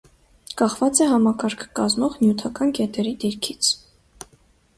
Կախված է համակարգը կազմող նյութական կետերի դիրքից։